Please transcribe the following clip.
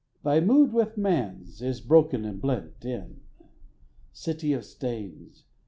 Thy mood with man's is broken and blent in, City of Stains!